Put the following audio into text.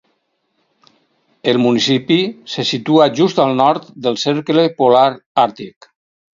El municipi se situa just al nord del Cercle Polar Àrtic.